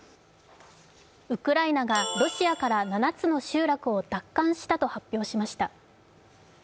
ウクライナがロシアから７つの集落を奪還したと発表しました。